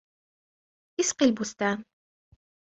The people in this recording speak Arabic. اسق البستان